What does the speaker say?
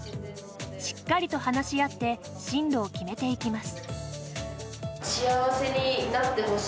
しっかりと話し合って進路を決めていきます。